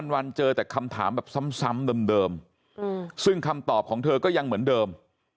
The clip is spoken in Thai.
วันเจอแต่คำถามแบบซ้ำเดิมซึ่งคำตอบของเธอก็ยังเหมือนเดิม